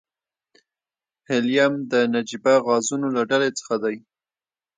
هیلیم د نجیبه غازونو له ډلې څخه دی.